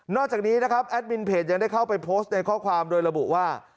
จากนี้นะครับแอดมินเพจยังได้เข้าไปโพสต์ในข้อความโดยระบุว่า